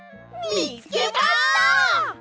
みつけました！